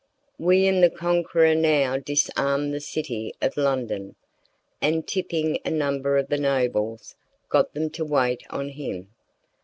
William the Conqueror now disarmed the city of London, and tipping a number of the nobles, got them to wait on him.